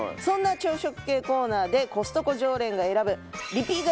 そんな朝食系コーナーでコストコ常連が選ぶリピ